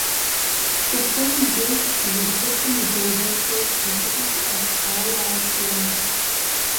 Щӏыхъейм деж бжэ блыпкъым удэувэн хуейщ жызыӏи щыӏэщ, ауэ ар щыуагъэщ.